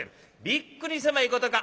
びっくりせまいことか。